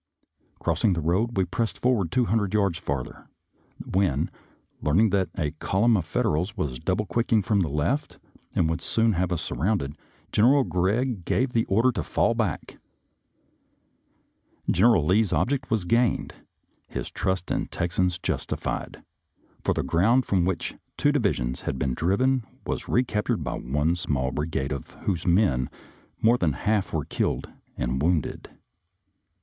Crossing the road, we pressed forward two hundred yards farther, when, learning that a column of Fed erals was double quicking from the left and would soon have us surrounded. General Gregg gave the order to fall back. General Lee's ob ject was gained, his trust in the Texans justified, for the ground from which two divisions had been driven was recaptured by one small bri gade of whose men more than one half were killed and wounded.